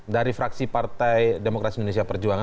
dari fraksi partai demokrasi indonesia perjuangan